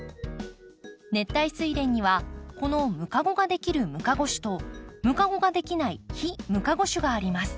熱帯スイレンにはこのムカゴができるムカゴ種とムカゴができない非ムカゴ種があります。